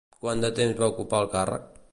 Quant de temps va ocupar el càrrec?